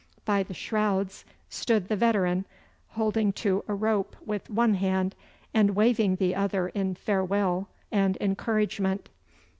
By the shrouds stood the veteran, holding to a rope with one hand, and waving the other in farewell and encouragement.